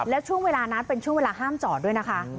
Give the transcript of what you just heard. แล้วช่วงเวลานั้นเป็นช่วงเวลาห้ามจอดด้วยนะคะ